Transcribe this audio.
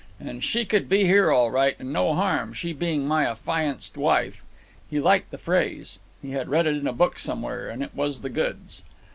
And she could be here, all right, and no harm, she being my affianced wife." He liked that phrase. He had read it in a book somewhere, and it was the goods.